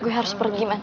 gue harus pergi man